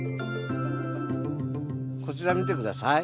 こちら見て下さい。